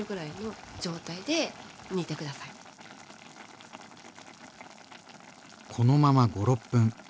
こうこのまま５６分。